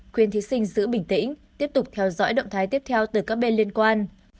khuyên thí sinh giữ bình tĩnh tiếp tục theo dõi động thái tiếp theo từ các bên liên quan